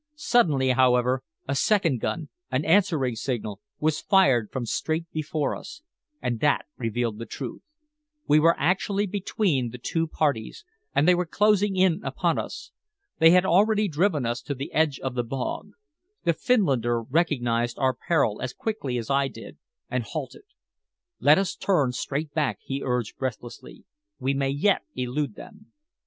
Suddenly, however, a second gun, an answering signal, was fired from straight before us, and that revealed the truth. We were actually between the two parties, and they were closing in upon us! They had already driven us to the edge of the bog. The Finlander recognized our peril as quickly as I did, and halted. "Let us turn straight back," he urged breathlessly. "We may yet elude them."